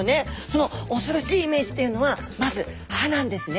その恐ろしいイメージというのはまず歯なんですね。